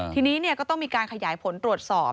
ทีนี้ก็ต้องมีการขยายผลตรวจสอบ